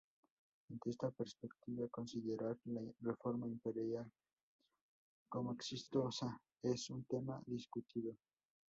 Ante esta perspectiva, considerar la reforma imperial como exitosa es un tema discutido.